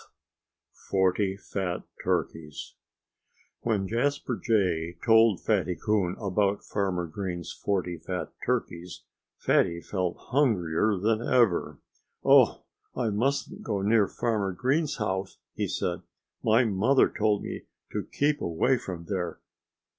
XII FORTY FAT TURKEYS When Jasper Jay told Fatty Coon about Farmer Green's forty fat turkeys Fatty felt hungrier than ever. "Oh! I mustn't go near Farmer Green's house!" he said. "My mother told me to keep away from there.